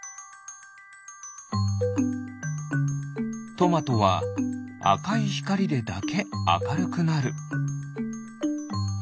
トマトはあかいひかりでだけあかるくなる。